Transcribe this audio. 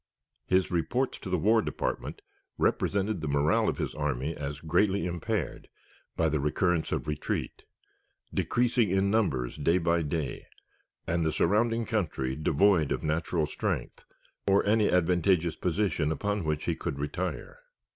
His reports to the War Department represented the morale of his army as "greatly impaired by the recurrence of retreat," decreasing in numbers day by day, and the surrounding country devoid of natural strength or any advantageous position upon which he could retire.